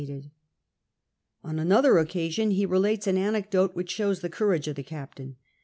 And on another occasion he relates an anecdote which shows the courage of the captain.